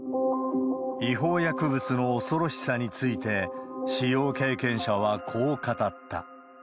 違法薬物の恐ろしさについて、使用経験者はこう語った。